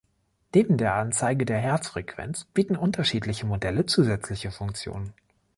Neben der Anzeige der Herzfrequenz bieten unterschiedliche Modelle zusätzliche Funktionen.